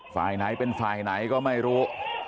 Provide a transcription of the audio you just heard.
ฝ่ายไหนเป็นฝ่ายไหนก็ไม่รู้